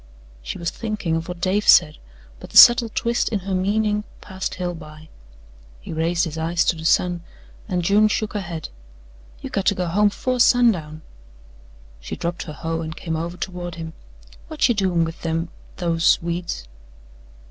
She was thinking of what Dave said, but the subtle twist in her meaning passed Hale by. He raised his eyes to the sun and June shook her head. "You got to go home 'fore sundown." She dropped her hoe and came over toward him. "Whut you doin' with them those weeds?"